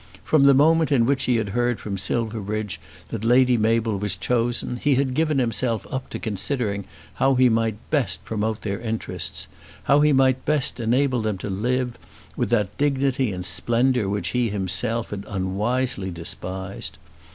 From the moment in which he had heard from Silverbridge that Lady Mabel was chosen he had given himself up to considering how he might best promote their interests, how he might best enable them to live, with that dignity and splendour which he himself had unwisely despised.